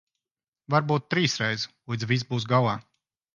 Varbūt trīsreiz, līdz viss būs galā.